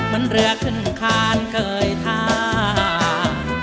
มันเรือขึ้นคานเคยทา